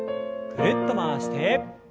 ぐるっと回して。